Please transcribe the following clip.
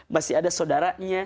masih ada saudaranya